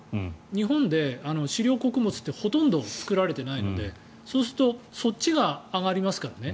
日本で飼料穀物ってほとんど作られてないのでそうするとそっちが上がりますからね。